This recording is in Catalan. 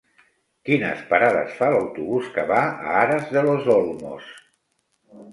Quines parades fa l'autobús que va a Aras de los Olmos?